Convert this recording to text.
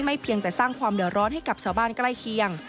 เพียงแต่สร้างความเดือดร้อนให้กับชาวบ้านใกล้เคียง